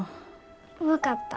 分かった。